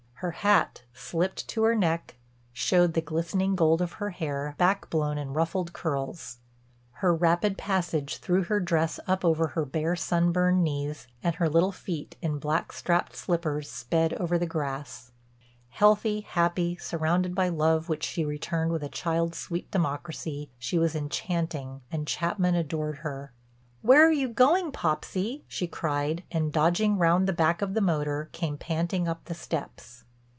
Her hat, slipped to her neck, showed the glistening gold of her hair back blown in ruffled curls; her rapid passage threw her dress up over her bare, sunburned knees, and her little feet in black strapped slippers sped over the grass. Healthy, happy, surrounded by love which she returned with a child's sweet democracy, she was enchanting and Chapman adored her. "Where are you going, Popsy?" she cried and, dodging round the back of the motor, came panting up the steps.